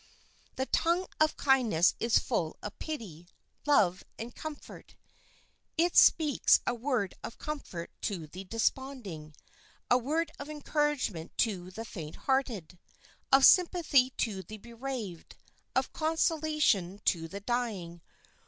The tongue of kindness is full of pity, love, and comfort. It speaks a word of comfort to the desponding, a word of encouragement to the faint hearted, of sympathy to the bereaved, of consolation to the dying.